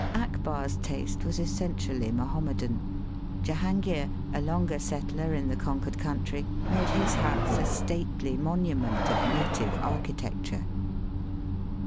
Akbar's taste was essen tially Mahomedan; Jehangir, a longer settler in the conquered country, made his house a stately monument of native architecture.